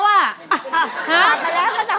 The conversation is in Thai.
กอดมาแล้วเธอจะให้